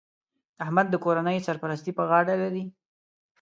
احمد د کورنۍ سرپرستي په غاړه لري